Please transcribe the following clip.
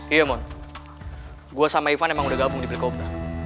iya moon gue sama ivan emang udah gabung di blikopra